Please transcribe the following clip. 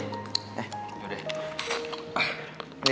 eh dulu deh